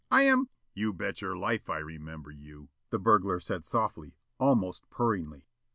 I am " "You bet your life I remember you," said the burglar softly, almost purringly.